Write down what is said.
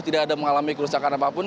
tidak ada mengalami kerusakan apapun